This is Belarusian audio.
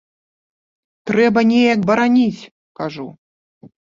Трэба неяк бараніць!- кажу.